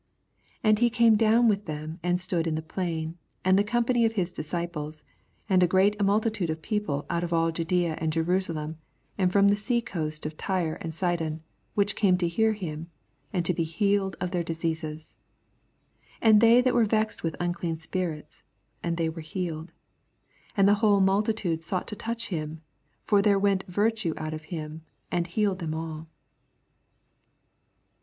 17 And he come down wi^ them, and stood in the plain, and the com pany of his disciples, and a great multitude of people out of all Judeea and Jerusalem, and from the sea ooaat of Tyre and Sidon, which came to hear him, and to be healed of their diseases ; 18 And they that were vexed with unclean spirits : and they were healed. 19 And the whole multitude sought to touch him : for there went virtue out of him, and healed them all.